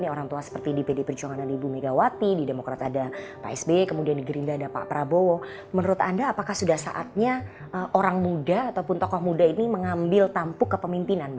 orang muda ataupun tokoh muda ini mengambil tampuk ke pemimpinan